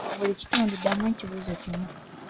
Mu buli kitundu ddamu ekibuuzo kimu